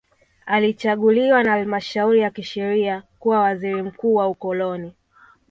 Alichaguliwa na halmashauri ya kisheria kuwa waziri mkuu wa ukoloni